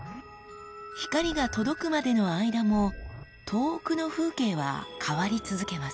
光が届くまでの間も遠くの風景は変わり続けます。